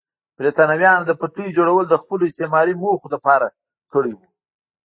برېټانویانو د پټلۍ جوړول د خپلو استعماري موخو لپاره کړي وو.